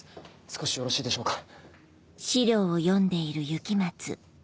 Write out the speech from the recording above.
少しよろしいでしょうか？